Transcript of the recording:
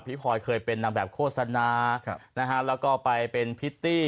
พลอยเคยเป็นนางแบบโฆษณาแล้วก็ไปเป็นพิตตี้